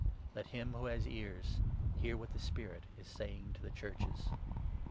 Let him who has ears hear what 29 the Spirit is saying to the Churches."